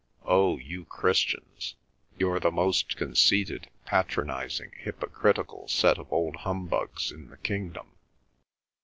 Oh, you Christians! You're the most conceited, patronising, hypocritical set of old humbugs in the kingdom!